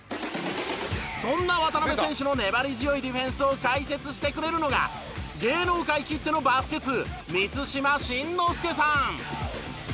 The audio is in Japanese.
そんな渡邊選手の粘り強いディフェンスを解説してくれるのが芸能界きってのバスケ通満島真之介さん。